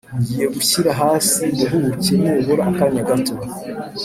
ngiye kugushyira hasi nduhuke nibura akanya gato